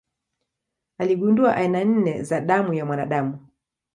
Aligundua aina nne za damu ya mwanadamu.